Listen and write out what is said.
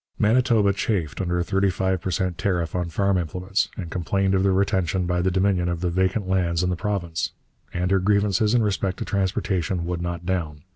Manitoba chafed under a thirty five per cent tariff on farm implements, and complained of the retention by the Dominion of the vacant lands in the province. And her grievances in respect to transportation would not down.